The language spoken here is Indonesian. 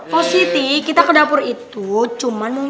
pak sri kiti kita ke dapur itu cuma mau minta minum